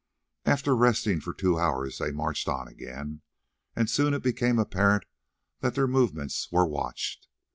After resting for two hours they marched on again, and soon it became apparent that their movements were watched.